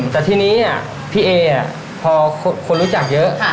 แต่ทีนี้พี่เอพอคนรู้จักเยอะ